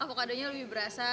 avocado nya lebih berasa